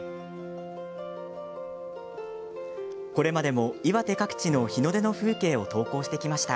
これまでも、岩手各地の日の出の風景を投稿してきました。